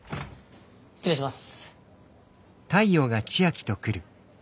失礼します。